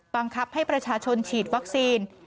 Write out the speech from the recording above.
บังคับให้ประชาชนฉีดวัคซีน